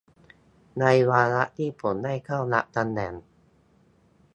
ในวาระที่ผมได้เข้ารับตำแหน่ง